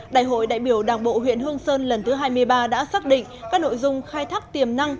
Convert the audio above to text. đại hội đại biểu đảng bộ huyện hương sơn lần thứ hai mươi ba đã xác định các nội dung khai thác tiềm năng